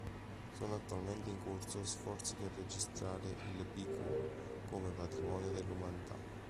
Sono attualmente in corso sforzi per registrare il Big Hole come patrimonio dell'umanità.